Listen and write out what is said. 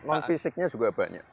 non fisiknya juga banyak